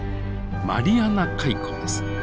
マリアナ海溝です。